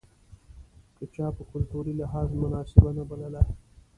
که چا په کلتوري لحاظ مناسبه نه بلله.